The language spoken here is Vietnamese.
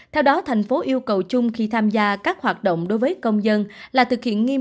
theo đó thành phố yêu cầu chung khi tham gia các hoạt động đối với công dân là thực hiện nghiêm